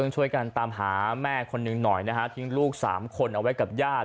ช่วยกันตามหาแม่คนหนึ่งหน่อยนะฮะทิ้งลูก๓คนเอาไว้กับญาติ